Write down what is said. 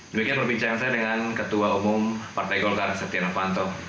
demikian perbincangan saya dengan ketua umum partai golkar setia novanto